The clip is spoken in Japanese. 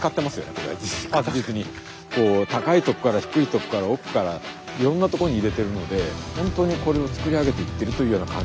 高い所から低い所から奥からいろんな所に入れているので本当にこれを作り上げていってるというような感じになってますよね。